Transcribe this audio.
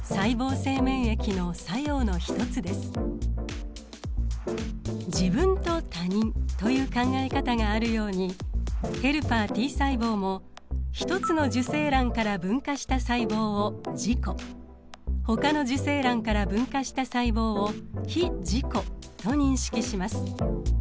実は「自分」と「他人」という考え方があるようにヘルパーＴ細胞も１つの受精卵から分化した細胞を自己ほかの受精卵から分化した細胞を非自己と認識します。